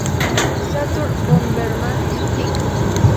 Saturn Bomberman Fight!!